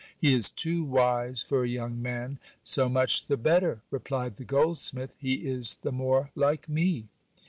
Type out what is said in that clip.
He is too wise for a young man. So much the better, replied the goldsmith ; he is the more like me.